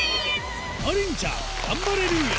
真凜ちゃんガンバレルーヤ